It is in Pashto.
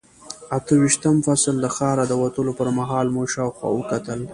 اته ویشتم فصل، له ښاره د وتلو پر مهال مو شاوخوا کتل.